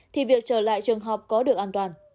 thì việc trở lại trường học có được an toàn